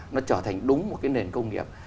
nó trở thành đúng một cái nền công nghiệp